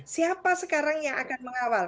siapa sekarang yang akan mengawal